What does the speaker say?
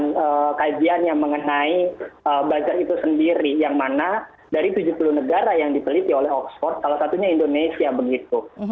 dan kajian yang mengenai buzzer itu sendiri yang mana dari tujuh puluh negara yang dipeliti oleh oxford salah satunya indonesia begitu